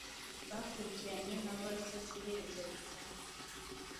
Bakurikiranye nka vassalsIherezo risaba